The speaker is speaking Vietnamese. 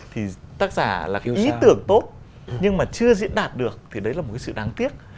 thì tác giả là cái ý tưởng tốt nhưng mà chưa diễn đạt được thì đấy là một cái sự đáng tiếc